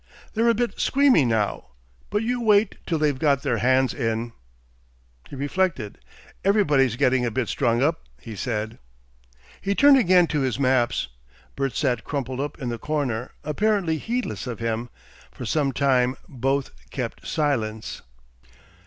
They're a bit squeamy now, but you wait till they've got their hands in." He reflected. "Everybody's getting a bit strung up," he said. He turned again to his maps. Bert sat crumpled up in the corner, apparently heedless of him. For some time both kept silence.